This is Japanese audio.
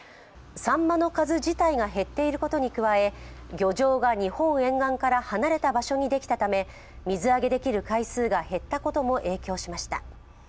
さんまの数自体が減っていることに加え魚場が日本沿岸から離れた場所にできたため、水揚げできる回数が減ったことも影響しました。